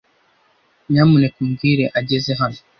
Nyamuneka umbwire ageze hano.